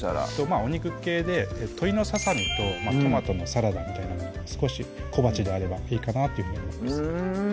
お肉系で鶏のささみとトマトのサラダみたいなもの少し小鉢であればいいかなっていうふうに思います